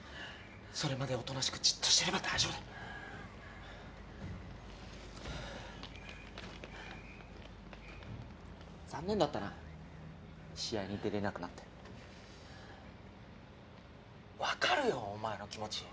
それまでおとなしくじっとしてれば大丈夫だ残念だったな試合に出れなくなって分かるよお前の気持ち